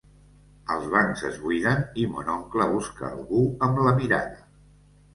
Els bancs es buiden i mon oncle busca algú amb la mirada.